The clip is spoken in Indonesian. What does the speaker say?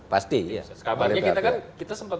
pasti kabarnya kita kan kita sempat